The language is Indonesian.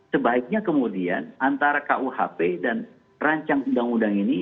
sebaiknya kemudian antara kuhp dan rancang undang undang ini